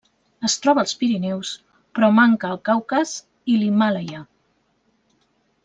Es troba als Pirineus però manca al Caucas i l'Himàlaia.